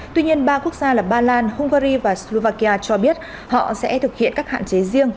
tuy nhiên ba quốc gia là ba lan hungary và slovakia cho biết họ sẽ thực hiện các hạn chế riêng